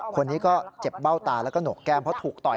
คนนี้ก็เจ็บเบ้าตาแล้วก็หนกแก้มเพราะถูกต่อย